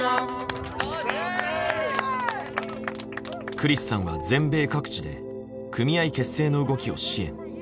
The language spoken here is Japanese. クリスさんは全米各地で組合結成の動きを支援。